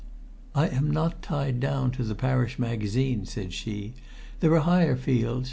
"I am not tied down to the Parish Magazine," said she. "There are higher fields.